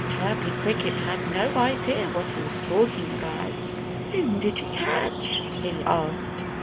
Chirpy Cricket had no idea what he was talking about. "Whom did you catch?" he asked.